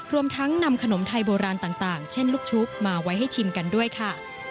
รวมทั้งนำขนมไทยโบราณต่างเช่นลูกชุบมาไว้ให้ชิมกันด้วยค่ะ